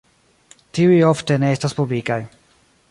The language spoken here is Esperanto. Tiuj ofte ne estas publikaj.